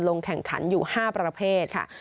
ลงแข่งขันอยู่๕ประเภทค่ะ